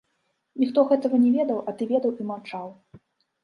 Ніхто гэтага не ведаў, а ты ведаў і маўчаў.